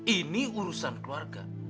ini urusan keluarga